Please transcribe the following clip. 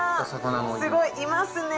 すごい、いますね。